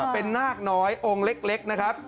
เป็นนาคน้อยองค์เล็กนะครับ